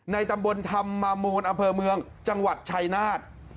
ตำบลธรรมมูลอำเภอเมืองจังหวัดชัยนาธ